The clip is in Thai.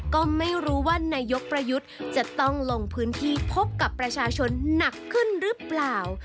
ก็ไม่รู้ว่านายกประยุทธ์จะต้องลงพื้นที่พบกับประชาชนหนักขึ้นหรือเปล่า